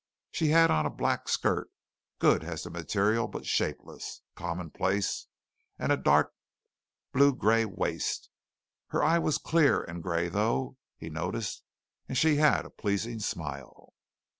She had on a black skirt good as to material, but shapeless, commonplace, and a dark blue gray waist. Her eye was clear and gray though, he noticed, and she had a pleasing smile.